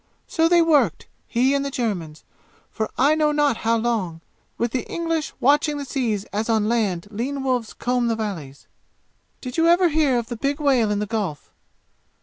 So they worked, he and the Germans, for I know not how long with the English watching the seas as on land lean wolves comb the valleys. "Did you ever hear of the big whale in the Gulf?"